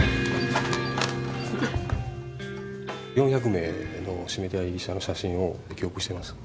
４００名の指名手配被疑者の写真を記憶してます。